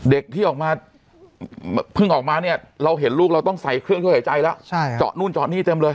เด็กที่ออกมาเพิ่งออกมาเนี่ยเราเห็นลูกเราต้องใส่เครื่องช่วยหายใจแล้วเจาะนู่นเจาะนี่เต็มเลย